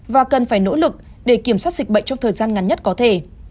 và cần phải nỗ lực để kiểm soát dịch bệnh trong thời gian ngắn nhất có thể